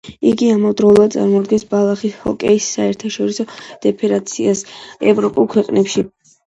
იგი ამავდროულად წარმოადგენს ბალახის ჰოკეის საერთაშორისო ფედერაციას ევროპულ ქვეყნებში.